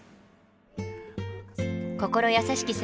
心優しき